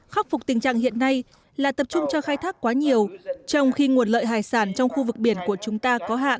khắc phục tình trạng hiện nay là tập trung cho khai thác quá nhiều trong khi nguồn lợi hải sản trong khu vực biển của chúng ta có hạn